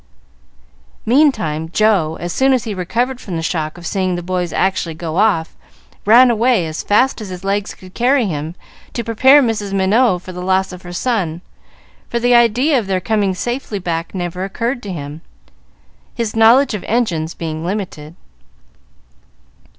Meantime, Joe, as soon as he recovered from the shock of seeing the boys actually go off, ran away, as fast as his legs could carry him, to prepare Mrs. Minot for the loss of her son; for the idea of their coming safely back never occurred to him, his knowledge of engines being limited.